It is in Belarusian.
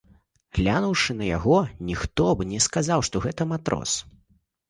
Глянуўшы на яго, ніхто б не сказаў, што гэта матрос.